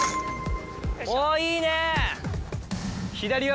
おぉいいね。